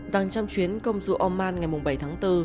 đang trong chuyến công du oman ngày bảy tháng bốn